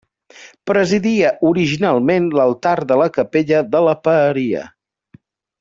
Presidia originalment l'altar de la capella de la Paeria.